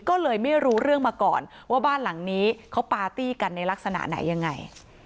ก็เลยไม่รู้เรื่องมาก่อนว่าบ้านหลังนี้เขาปาร์ตี้กันในลักษณะไหนยังไง